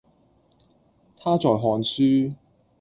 他在看書